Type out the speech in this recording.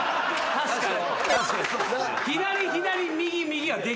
確かに。